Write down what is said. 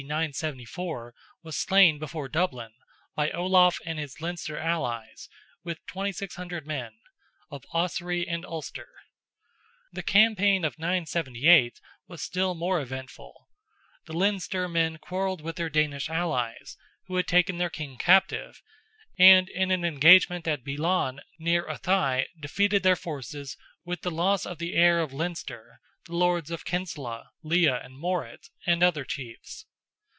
D. 974) was slain before Dublin, by Olaf and his Leinster allies, with 2,600 men, of Ossory and Ulster. The campaign of 978 was still more eventful: the Leinster men quarrelled with their Danish allies, who had taken their king captive, and in an engagement at Belan, near Athy, defeated their forces, with the loss of the heir of Leinster, the lords of Kinsellagh, Lea and Morett, and other chiefs.